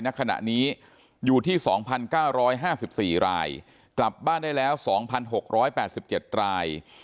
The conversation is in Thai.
ณขณะนี้อยู่ที่๒๙๕๔รายกลับบ้านได้แล้ว๒๖๘๗ราย